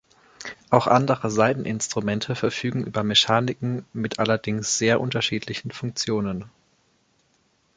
Auch andere Saiteninstrumente verfügen über Mechaniken mit allerdings sehr unterschiedlichen Funktionen.